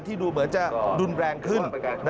ดูเหมือนจะรุนแรงขึ้น